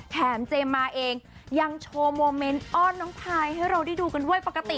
เจมส์มาเองยังโชว์โมเมนต์อ้อนน้องพายให้เราได้ดูกันด้วยปกติ